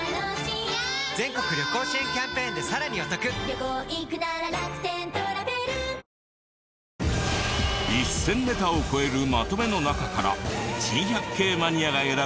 本麒麟１０００ネタを超えるまとめの中から珍百景マニアが選ぶ